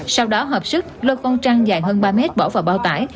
sau đó hợp sức lôi con trăn dài hơn ba mét bỏ vào bao tải